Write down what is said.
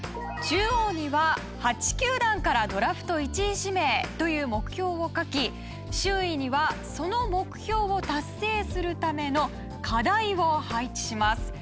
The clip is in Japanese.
中央には「８球団からドラフト１位指名」という目標を書き周囲にはその目標を達成するための課題を配置します。